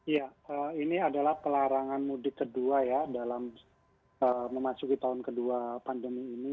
ya ini adalah pelarangan mudik kedua ya dalam memasuki tahun kedua pandemi ini